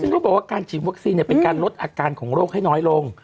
ซึ่งเขาบอกว่าการฉีดวัคซีนเป็นการลดอาการของโรคให้น้อยลง